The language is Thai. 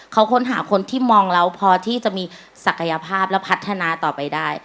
เขาค้นหาคนที่มองเราพอที่จะมีศักยภาพและพัฒนาต่อไปได้